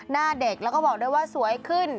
หน้าเด็กแล้วก็บอกด้วยว่าสวยขึ้น